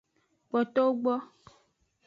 Kpotowo gbo.